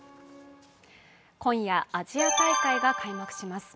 今夜、アジア大会が開幕します。